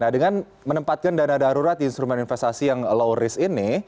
nah dengan menempatkan dana darurat instrumen investasi yang low risk ini